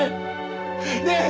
ねえ！